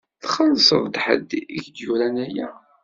Txellṣeḍ ḥedd i k-d-yuran aya?